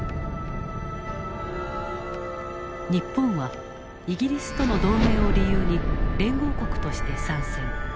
日本はイギリスとの同盟を理由に連合国として参戦。